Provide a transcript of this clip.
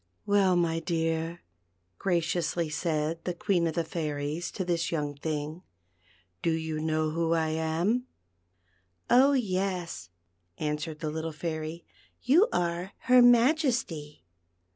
•'Well, my dear," graciously said the Queen of the Fairies to this young thing, "do you know who I am ?" "Oh yes," answered the little Fairy, "you are her Majesty."